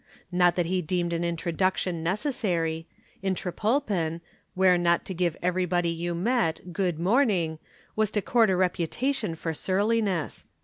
Not that he deemed an introduction necessary in Trepolpen, where not to give everybody you met "good morning" was to court a reputation for surliness.